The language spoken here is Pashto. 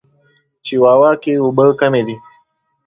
چیواوا کې اوبه کمې دي.